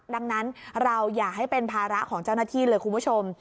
ดังนั้นเราอย่าให้เป็นภาระของเจ้าหน้าที่เลยคุณผู้ชม